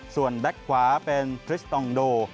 ส่วนแบ็คขวาเป็นทริสตองโด